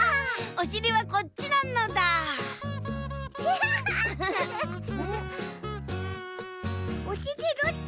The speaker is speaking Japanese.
おしりどっち？